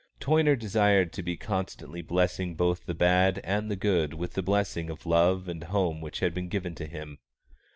Toyner desired to be constantly blessing both the bad and the good with the blessing of love and home which had been given to him.